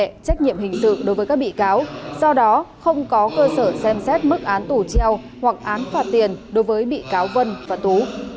xét trách nhiệm hình sự đối với các bị cáo do đó không có cơ sở xem xét mức án tù treo hoặc án phạt tiền đối với bị cáo vân và tú